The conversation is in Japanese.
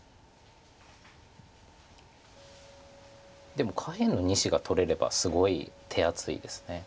でも下辺の２子が取れればすごい手厚いです。